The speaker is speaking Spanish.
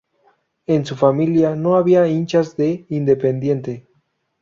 En su familia no había hinchas de Independiente.